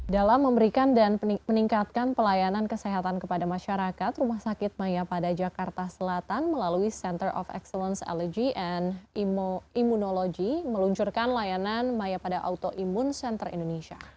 dalam memberikan dan meningkatkan pelayanan kesehatan kepada masyarakat rumah sakit maya pada jakarta selatan melalui center of excellence allogy and immunology meluncurkan layanan maya pada autoimun center indonesia